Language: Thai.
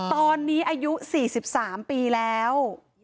ตอนนี้อายุ๔๓ปีแล้ว